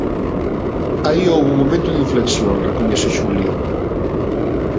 Aí houbo un momento de inflexión, recoñece Julio.